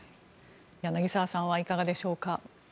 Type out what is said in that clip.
柳澤さんはいかがでしょうか？